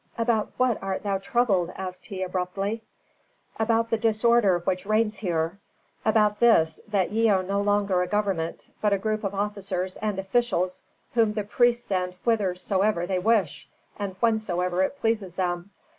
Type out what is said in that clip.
"About what art thou troubled?" asked he, abruptly. "About the disorder which reigns here. About this, that ye are no longer a government, but a group of officers and officials whom the priests send whithersoever they wish and whensoever it pleases them.